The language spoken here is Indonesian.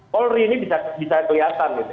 polri ini bisa kelihatan gitu